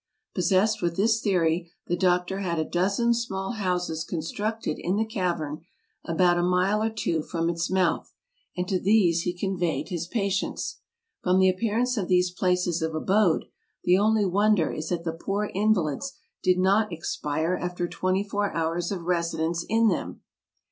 Possessed with this theory the doctor had a dozen small houses constructed in the cavern, about a mile or two from its mouth, and to these he conveyed his patients. From the appearance of these places of abode the only wonder is that the poor in valids did not expire after twenty four hours of residence in them.